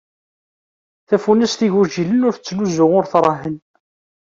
Tafunast n yigujilen ur t tettnuzu ur trehhen.